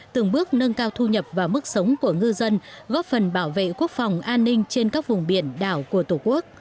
từng bước nâng cao thu nhập và mức sống của ngư dân góp phần bảo vệ quốc phòng an ninh trên các vùng biển đảo của tổ quốc